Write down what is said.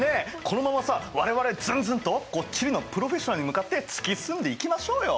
このままさ我々ズンズンとこう地理のプロフェッショナルに向かって突き進んでいきましょうよ！